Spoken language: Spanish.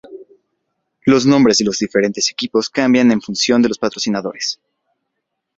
Los nombres de los distintos equipos cambian en función de los patrocinadores.